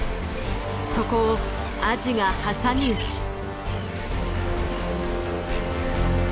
そこをアジが挟み撃ち。